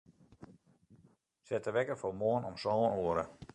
Set de wekker foar moarn om sân oere.